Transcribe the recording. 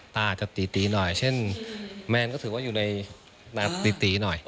ต้าจะตีหน่อยเช่นแมนก็อยู่ในดรตีหน่อย